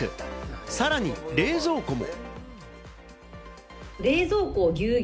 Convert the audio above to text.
さらに冷蔵庫も。